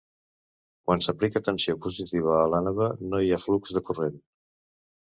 Quan s'aplica tensió positiva a l'ànode, no hi ha flux de corrent.